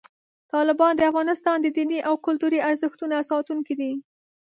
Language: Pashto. طالبان د افغانستان د دیني او کلتوري ارزښتونو ساتونکي دي.